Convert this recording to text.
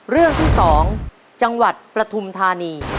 เรื่องที่สองจังหวัดประทุมธานี